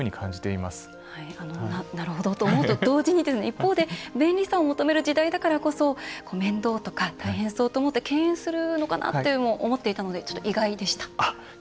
そういったところが一方で、便利さを求める時代だからこそ面倒とか大変そうと思って敬遠するのかなと思っていたので意外でした。